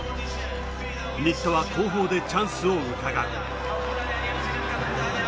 新田は後方でチャンスを伺う。